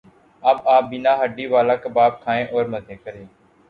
اب آپ بینا ہڈی والا کباب کھائیں اور مزے کریں